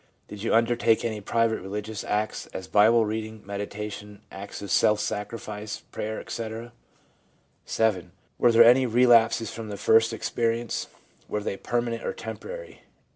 Did you undertake any private religious acts, as Bible reading, meditation, acts of self sacrifice, prayer, etc. ? 'VII. Were there any relapses from the first experi ence? Were they permanent or temporary?